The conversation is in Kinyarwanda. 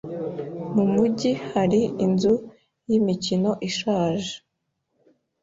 Mu mujyi hari inzu yimikino ishaje.